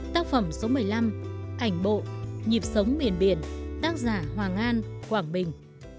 tác phẩm số một mươi năm ảnh bộ nhịp sống miền biển tác giả hoàng an quảng bình